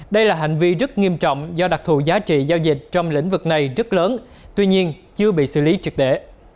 đây là hành vi rất nghiêm trọng do đặc thù giá trị giao dịch trong lĩnh vực này rất lớn tuy nhiên chưa bị xử lý triệt để